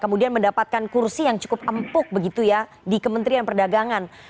kemudian mendapatkan kursi yang cukup empuk begitu ya di kementerian perdagangan